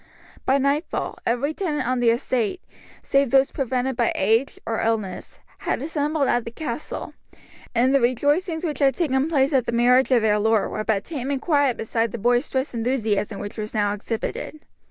By nightfall every tenant on the estate, save those prevented by age or illness, had assembled at the castle, and the rejoicings which had taken place at the marriage of their lord were but tame and quiet beside the boisterous enthusiasm which was now exhibited.